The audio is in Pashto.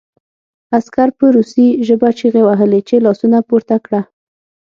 عسکر په روسي ژبه چیغې وهلې چې لاسونه پورته کړه